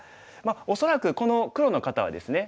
恐らくこの黒の方はですね